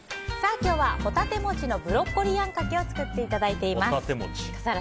今日はホタテもちのブロッコリーあんかけを作っていただいています。